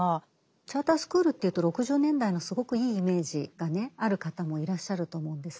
チャータースクールというと６０年代のすごくいいイメージがある方もいらっしゃると思うんですね。